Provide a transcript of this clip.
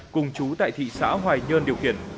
cùng chú tại thị xã hoài nhơn điều kiện